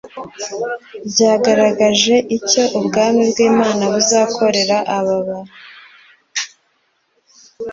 byagaragaje icyo ubwami bw imana buzakorera abantu